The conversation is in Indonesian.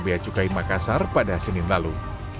beacukai makassar pada senin lalu